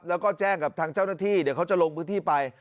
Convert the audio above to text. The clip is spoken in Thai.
แล้วก็แจ้งกับทางเจ้าหน้าที่เดี๋ยวเขาจะลงพื้นที่ไป